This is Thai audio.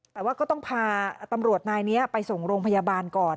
แต่ว่าก็ต้องพาตำรวจนายนี้ไปส่งโรงพยาบาลก่อน